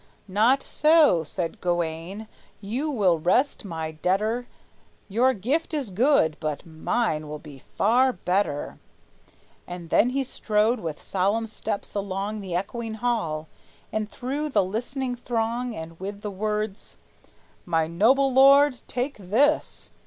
"Not so," said Gawayne; "you will rest my debtor; Your gift is good, but mine will be far better." And then he strode with solemn steps along The echoing hall, and through the listening throng, And with the words, "My noble lord, take this!"